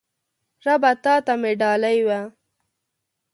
ربه تاته مې ډالۍ وی